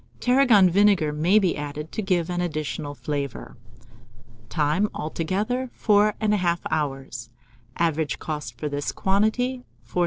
Tarragon vinegar may be added to give an additional flavour. Time. Altogether 4 1/2 hours. Average cost for this quantity, 4s.